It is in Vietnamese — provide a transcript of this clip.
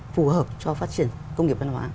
phù hợp cho phát triển công nghiệp văn hóa